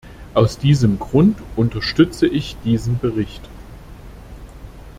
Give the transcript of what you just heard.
Aus diesem Grund unterstütze ich diesen Bericht.